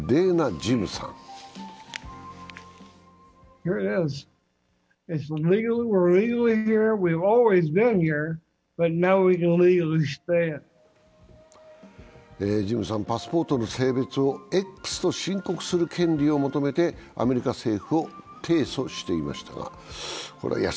ジムさん、パスポートの性別をＸと申告する権利を求めてアメリカ政府を提訴していました。